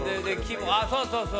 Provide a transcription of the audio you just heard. あっそうそうそう。